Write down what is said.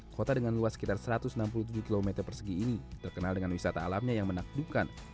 kota dengan luas sekitar satu ratus enam puluh tujuh km persegi ini terkenal dengan wisata alamnya yang menakjubkan